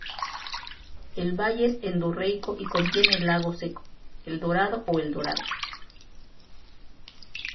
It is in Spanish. El valle es endorreico, y contiene el lago seco Eldorado o El Dorado.